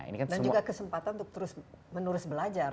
dan juga kesempatan untuk terus menerus belajar